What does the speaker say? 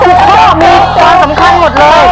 คือข้อมีความสำคัญหมดเลย